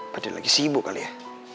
padahal lagi sibuk kali ya